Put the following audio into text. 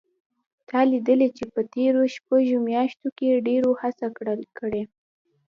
تا لیدلي چې په تېرو شپږو میاشتو کې ډېرو هڅه کړې